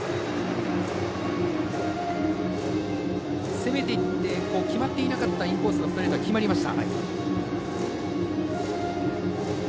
攻めていって決まっていなかったインコースのストレートは決まりました。